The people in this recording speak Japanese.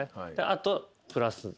あとプラス２が。